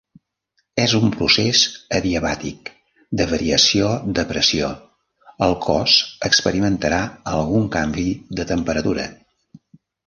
En un procés adiabàtic de variació de pressió, el cos experimentarà algun canvi de temperatura.